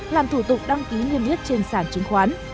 làm thủ tục đăng ký niêm yết trên sản chứng khoán